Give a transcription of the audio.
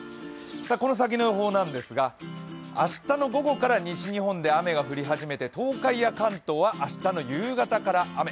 この先の予報なんですが、明日の午後から西日本で雨が降り始めて東海や関東は明日の夕方から雨。